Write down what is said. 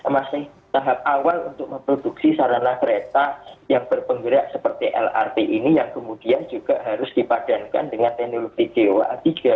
masih tahap awal untuk memproduksi sarana kereta yang berpenggerak seperti lrt ini yang kemudian juga harus dipadankan dengan teknologi coa tiga